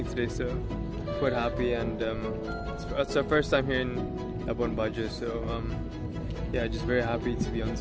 saya sangat senang berada di perairan ini